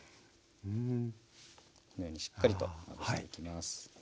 このようにしっかりとまぶしていきます。